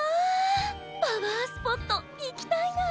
パワースポットいきたいなあ。